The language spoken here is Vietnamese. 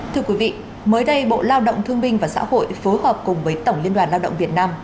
thưa quý vị mới đây bộ lao động thương binh và xã hội phối hợp cùng với tổng liên đoàn lao động việt nam